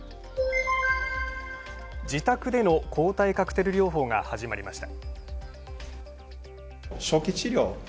自宅での抗体カクテル療法が始まりました。